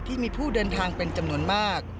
ที่มีผู้เดินทางเป็นจำนวนมาก